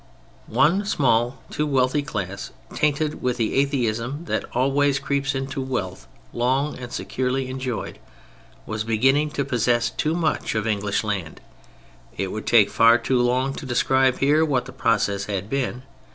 One small, too wealthy class, tainted with the atheism that always creeps into wealth long and securely enjoyed, was beginning to possess too much of English land. It would take far too long to describe here what the process had been.